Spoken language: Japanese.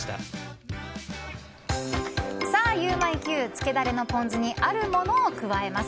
つけダレのポン酢にあるものを加えます。